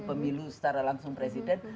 pemilu secara langsung presiden